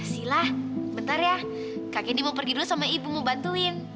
sila bentar ya kakek ini mau pergi dulu sama ibu mau bantuin